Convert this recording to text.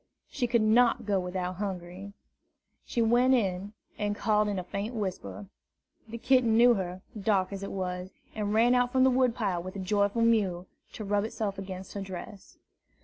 She could not go without Hungry. She went in, and called in a faint whisper. The kitten knew her, dark as it was, and ran out from the wood pile with a joyful mew, to rub itself against her dress.